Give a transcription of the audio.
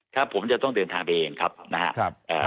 ถ้าผมจะต้องเดินทางไปเองครับนะครับ